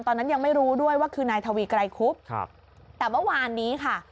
ตอนนั้นยังไม่รู้ด้วยว่าคือนายทวีไกรคุบครับแต่เมื่อวานนี้ค่ะ